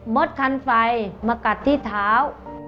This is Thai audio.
ดคันไฟมากัดที่เท้า